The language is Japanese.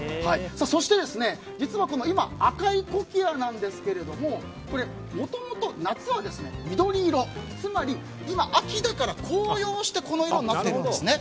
そして実は今、赤いコキアなんですがこれ、もともと夏は緑色つまり、今、秋だから紅葉してこの色になってるんですね。